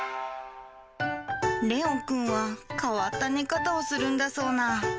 レオンくんは、変わった寝方をするんだそうな。